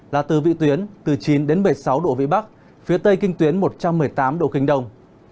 là từ vị tuyến từ chín đến một mươi sáu độ vị bắc phía tây kinh tuyến một trăm một mươi tám độ kinh đông